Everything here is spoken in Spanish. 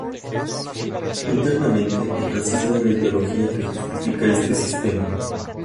Internamente, el racismo es la ideología que justifica este sistema.